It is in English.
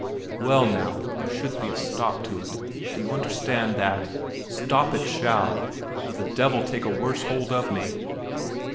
Well, now, there should be a stop to it. Do you understand that? Stop it shall, or the devil take a worse hold of me.